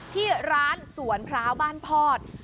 ที่ร้านสวนพร้าวบ้านพอด